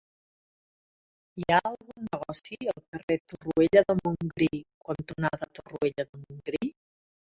Hi ha algun negoci al carrer Torroella de Montgrí cantonada Torroella de Montgrí?